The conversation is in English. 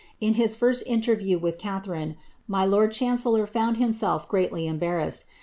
In his first interview with Catharine, my lord chancellor lelf greatly embarrassed.